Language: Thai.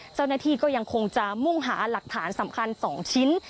เจ้าหน้าที่ก็ยังคงจะมุ่งหาหลักฐานสำคัญ๒ชิ้น